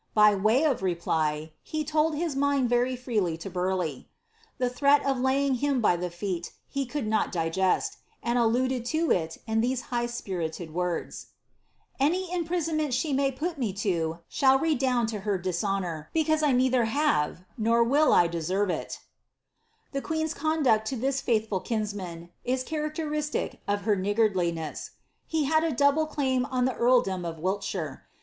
By way of reply, he told his mind very rleiffh. The threat of laying him by the feet, he could not dluded to it in these high spirited words :— ^Any imprison ay put roe to shall rewound to her dbhonour; because I nor will I deserve it" * 1^1 conduct to this faithful kinsman is characteristic ot her I. He had a double claim on the earldom of Wiltahire.